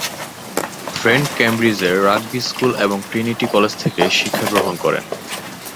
Friend ক্যামব্রিজের Rugby School এবং Trinity College থেকে শিক্ষা গ্রহণ করেন।